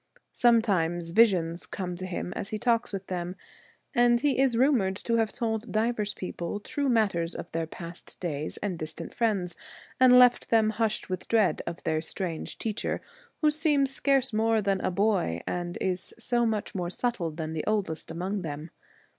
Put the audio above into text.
Sometimes visions come to him as he talks with them, and he is rumoured to have told divers people true matters of their past days and distant friends, and left them hushed with dread of their strange teacher, who seems scarce more than a boy, and is so much more subtle than the oldest among them.